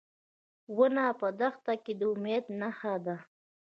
ونه په دښته کې د امید نښه ده.